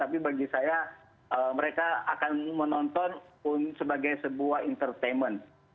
tapi bagi saya mereka akan menonton sebagai sebuah entertainment